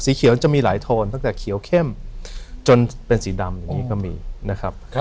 เขียวจะมีหลายโทนตั้งแต่เขียวเข้มจนเป็นสีดำอย่างนี้ก็มีนะครับ